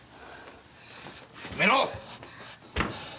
やめろ！